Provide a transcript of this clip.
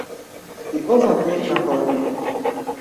pîvazan têxine xwarinê